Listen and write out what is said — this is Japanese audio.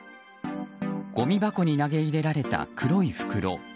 ごみ箱に投げ入れられた黒い袋。